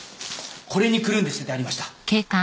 これにくるんで捨ててありました。